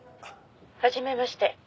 「はじめまして」